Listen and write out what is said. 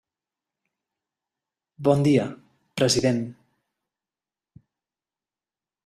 Bon dia, president.